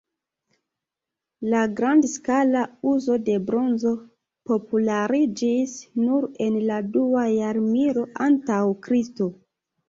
La grandskala uzo de bronzo populariĝis nur en la dua jarmilo antaŭ Kristo.